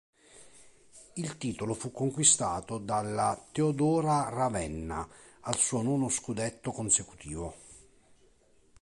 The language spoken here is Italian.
Il titolo fu conquistato dalla Teodora Ravenna, al suo nono scudetto consecutivo.